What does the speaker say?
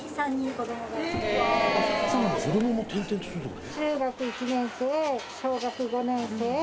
子供も転々とするって事？